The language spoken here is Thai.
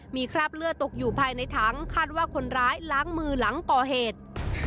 มีคราบเลือดตกอยู่ภายในถังคาดว่าคนร้ายล้างมือหลังก่อเหตุ